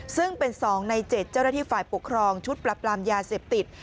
ซึ่งเป็น๒ใน๗เจ้าหน้าที่ฝ่ายปกครองชุดปรับปรามยาเสพติด